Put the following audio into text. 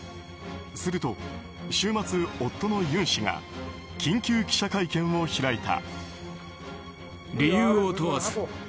すると週末、夫のユン氏が緊急記者会見を開いた。